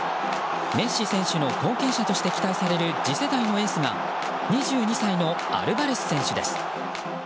メッシ選手の後継者として期待される次世代のエースが２２歳のアルヴァレス選手です。